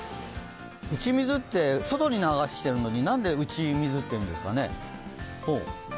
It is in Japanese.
打ち水って外に流してるのに何で打ち水っていうんですかね？